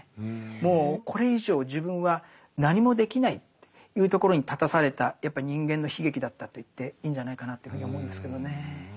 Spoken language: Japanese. もうこれ以上自分は何もできないというところに立たされたやっぱり人間の悲劇だったと言っていいんじゃないかなというふうに思うんですけどね。